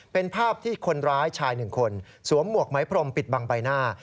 เป็นภาพที่คนร้ายชายหนึ่งคนสวมหมวกไหมพรมปิดบังใบหน้า